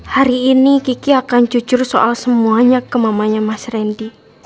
hari ini kiki akan jujur soal semuanya ke mamanya mas randy